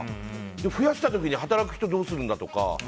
増やしたはいいけど働く人どうするんだとか。